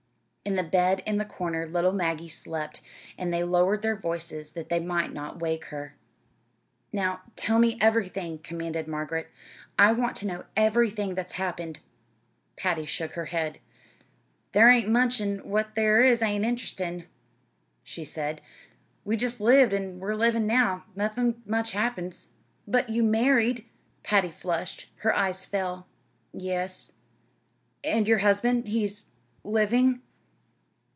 In the bed in the corner little Maggie still slept, and they lowered their voices that they might not wake her. "Now, tell me everything," commanded Margaret. "I want to know everything that's happened." Patty shook her head. "Thar ain't much, an' what thar is ain't interestin'," she said. "We jest lived, an' we're livin' now. Nothin' much happens." "But you married." Patty flushed. Her eyes fell. "Yes." "And your husband he's living?"